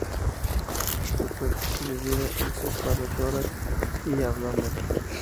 Su cuerpo se divide en cefalotórax y abdomen.